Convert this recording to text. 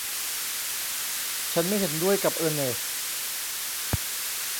ฉันไม่เห็นด้วยกับเออร์เนสท์